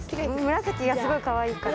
紫がすごいかわいいから。